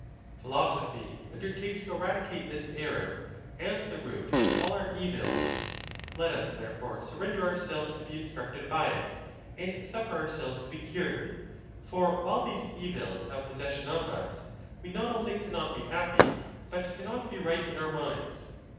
Philosophy undertakes to eradicate this error, as the root of all our evils: let us there fore surrender ourselves to be instructed by it, and suffer ourselves to be cured; for while these evils: have posses sion of us, we not only cannot be happy, but cannot be right in our minds.